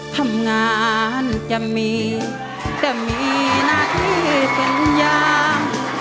ทำงานจะมีแต่มีหน้าที่สัญญา